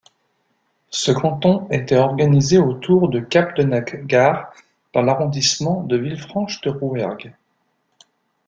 Ce canton était organisé autour de Capdenac-Gare dans l'arrondissement de Villefranche-de-Rouergue.